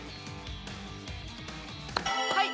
はい！